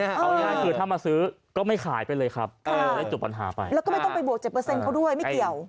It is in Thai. ใช่คือถ้ามาซื้อก็ไม่ขายไปเลยครับได้จุบปัญหาไปแล้วก็ไม่ต้องไปบวกเจ็บเปอร์เซ็นต์เขาด้วยไม่เกี่ยว